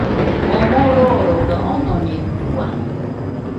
Oo moo roroga, onoñeitɨua